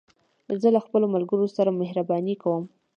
زه له خپلو ملګرو سره مهربانې کوم.